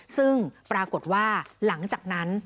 ซึ่งปรากฏว่าหลังจากนั้น